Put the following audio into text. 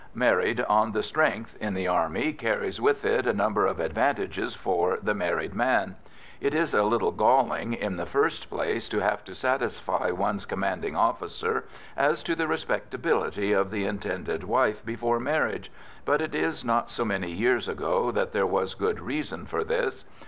Married "on the strength" in the Army carries with it a number of advantages for the married man. It is a little galling, in the first place, to have to satisfy one's commanding officer as to the respectability of the intended wife before marriage, but it is not so many years ago that there was good reason for this.